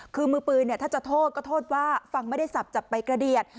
คือมือปืนเนี่ยถ้าจะโทษก็โทษว่าฟังไม่ได้สับจับไปกระเดียด